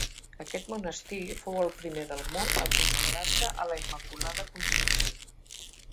Aquest monestir fou el primer del món a consagrar-se a la Immaculada Concepció.